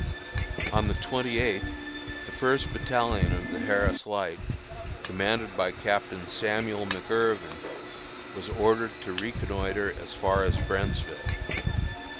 On the twenty eighth the first battalion of the Harris Light, commanded by Captain Samuel McIrvin, was ordered to reconnoitre as far as Brentsville.